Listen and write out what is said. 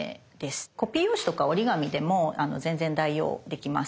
コピー用紙とか折り紙でも全然代用できます。